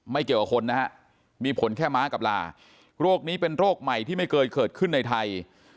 ไม่เกี่ยวกับคนนะฮะมีผลแค่ม้ากับลาโรคนี้เป็นโรคใหม่ที่ไม่เคยเกิดขึ้นในไทย